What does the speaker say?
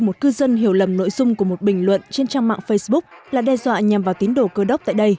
một cư dân hiểu lầm nội dung của một bình luận trên trang mạng facebook là đe dọa nhằm vào tình huống